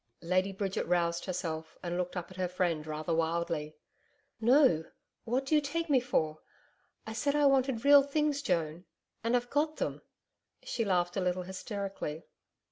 Lady Bridget roused herself and looked up at her friend rather wildly.... 'No.... What do you take me for? ... I said I wanted real things, Joan ... And I've got them.' She laughed a little hysterically.